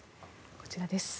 こちらです。